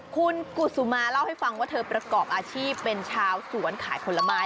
คุณกุศุมาเล่าให้ฟังว่าเธอประกอบอาชีพเป็นชาวสวนขายผลไม้